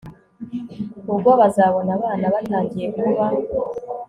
ubwo bazabona abana batangiye kuba